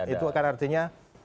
itu akan artinya